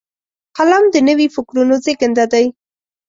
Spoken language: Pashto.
قلم د نوي فکرونو زیږنده دی